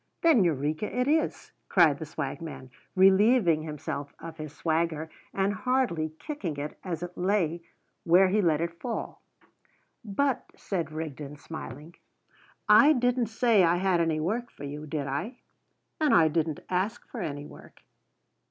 "Then Eureka it is!" cried the swagman, relieving himself of his swag, and heartily kicking it as it lay where he let it fall. "But," said Rigden, smiling, "I didn't say I had any work for you, did I?" "And I didn't ask for any work."